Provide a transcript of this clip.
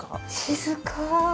静か。